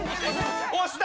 押した！